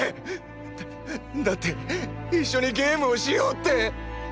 だッだって一緒にゲームをしようって！